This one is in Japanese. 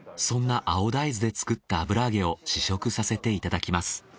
そんな青大豆で作った油揚げを試食させていただきます。